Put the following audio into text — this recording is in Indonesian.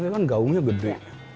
ini kan gaungnya gede